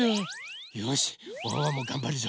よしワンワンもがんばるぞ。